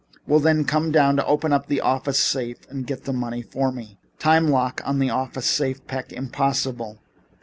"Well, then, come downtown, open up the office safe and get the money for me." "Time lock on the office safe, Peck. Impossible."